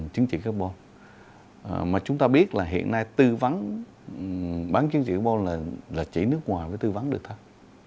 tính trị carbon mà chúng ta biết là hiện nay tư vấn bán tính trị carbon là chỉ nước ngoài mới tư vấn được thôi